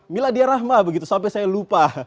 miladiyarrahma begitu sampai saya lupa